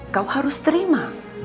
kau harus terima